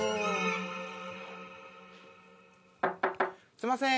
すいません。